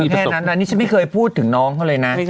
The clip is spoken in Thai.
แค่นั้นอันนี้ฉันไม่เคยพูดถึงน้องเขาเลยนะ